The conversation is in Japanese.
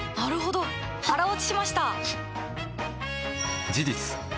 腹落ちしました！